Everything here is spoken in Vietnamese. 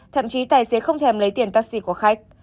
thậm chí tài xế không thèm lấy tiền taxi của khách